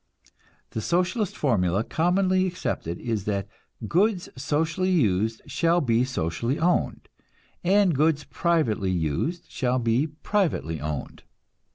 The Socialist formula commonly accepted is that "goods socially used shall be socially owned, and goods privately used shall be privately owned."